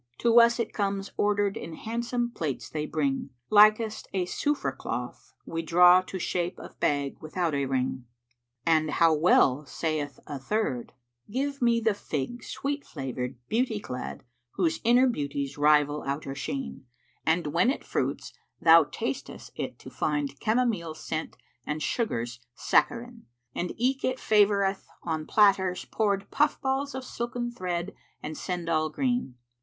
To us it comes * Ordered in handsome plates they bring: Likest a Sufrah[FN#393] cloth we draw * To shape of bag without a ring." And how well saith a third, "Give me the Fig sweet flavoured, beauty clad, * Whose inner beauties rival outer sheen: And when it fruits thou tastest it to find * Chamomile's scent and Sugar's saccharine: And eke it favoureth on platters poured * Puff balls of silken thread and sendal green."